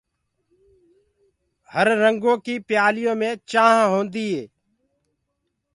هررنگو ڪي پيآليو مين چآنه هوندي